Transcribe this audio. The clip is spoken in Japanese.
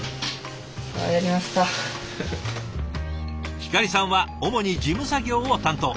光さんは主に事務作業を担当。